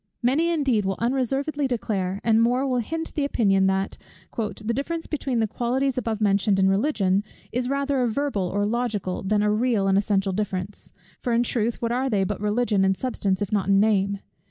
Many indeed will unreservedly declare, and more will hint the opinion, that "the difference between the qualities above mentioned and Religion, is rather a verbal or logical, than a real and essential difference; for in truth what are they but Religion in substance if not in name?